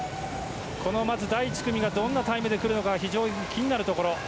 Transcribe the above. この第１組がどんなタイムで来るのか非常に気になるところ。